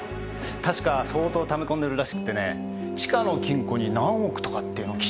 確か相当貯め込んでるらしくてね地下の金庫に何億とかっていうの聞いちゃった。